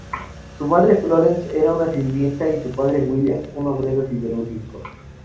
Su madre, Florence, era una sirvienta y su padre, William, un obrero siderúrgico.